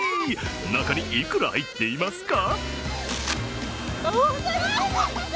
中にいくら入っていますか？